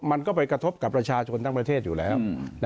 มันก็ไปกระทบกับประชาชนทั้งประเทศอยู่แล้ว